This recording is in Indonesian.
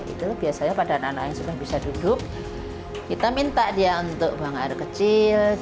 itu biasanya pada anak anak yang sudah bisa duduk kita minta dia untuk buang air kecil